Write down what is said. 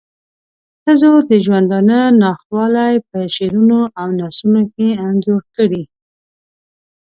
ښځو د ژوندانه ناخوالی په شعرونو او نثرونو کې انځور کړې.